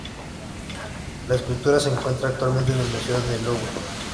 La escultura se encuentra actualmente en el Museo del Louvre.